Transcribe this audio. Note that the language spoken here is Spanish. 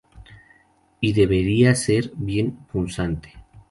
Y debería ser bien punzante.